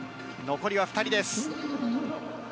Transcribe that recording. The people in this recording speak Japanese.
残りは２人です。